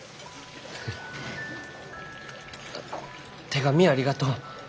手紙ありがとう。